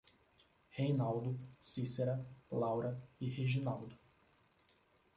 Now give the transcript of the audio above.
Reinaldo, Cícera, Laura e Reginaldo